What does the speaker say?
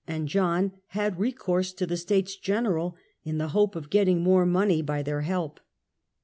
and John had recourse to the States General, in the hope of getting more money by their help.